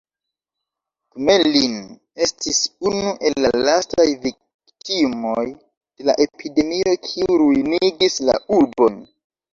Gmelin estis unu el la lastaj viktimoj de la epidemio kiu ruinigis la urbon.